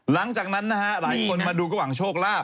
หลังจากนั้นนะฮะหลายคนมาดูก็หวังโชคลาภ